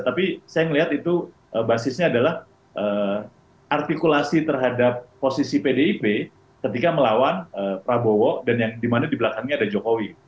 tapi saya melihat itu basisnya adalah artikulasi terhadap posisi pdip ketika melawan prabowo dan yang di mana di belakangnya ada jokowi